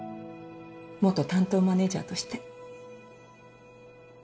元担当マネージャーとして。